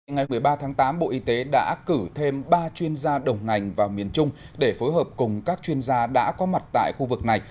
ngày một mươi ba tháng tám bộ y tế đã cử thêm ba chuyên gia đồng ngành vào miền trung để phối hợp cùng các chuyên gia đã có mặt tại khu vực này